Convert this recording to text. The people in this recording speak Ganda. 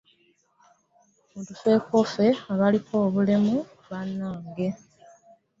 Mutufeeko ffe abaliko obulemu bannange.